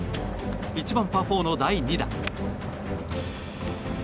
１番、パー４の第２打。